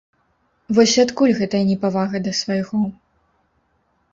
Вось адкуль гэтая непавага да свайго?